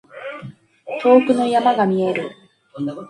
遠くの山が見える。